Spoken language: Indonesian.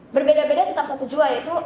berbeda beda tetap satu jua itu